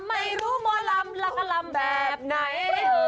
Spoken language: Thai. ไม่รู้หมอลำแล้วก็ลำแบบไหน